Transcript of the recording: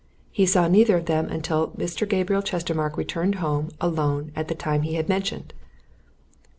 He saw neither of them after that until Mr. Gabriel Chestermarke returned home, alone, at the time he had mentioned.